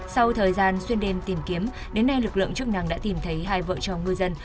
sau thời gian xuyên đêm tìm kiếm đến nay lực lượng chức năng đã tìm thấy hai vợ chồng ngư dân